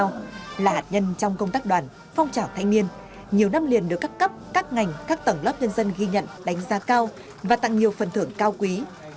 cao là hạt nhân trong công tác đoàn phong trào thanh niên nhiều năm liền được các cấp các ngành các tầng lớp nhân dân ghi nhận đánh giá cao và tặng nhiều phần thưởng cao quý